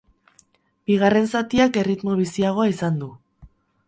Bigarren zatiak erritmo biziagoa izan du.